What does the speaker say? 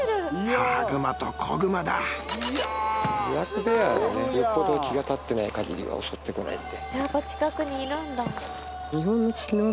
よっぽど気が立ってないかぎりは襲ってこないんで。